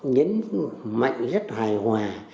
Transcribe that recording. nhấn mạnh rất hài hòa